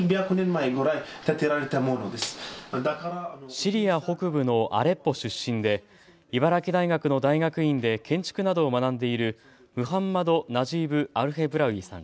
シリア北部のアレッポ出身で茨城大学の大学院で建築などを学んでいるムハンマド・ナジーブアルヘブラウィさん。